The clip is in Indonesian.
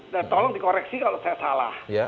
dan tolong dikoreksi kalau saya salah